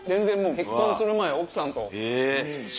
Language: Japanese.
結婚する前奥さんと。